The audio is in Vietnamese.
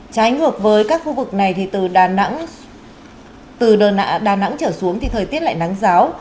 trái ngược với các khu vực này thì từ đà nẵng trở xuống thì thời tiết lại nắng giáo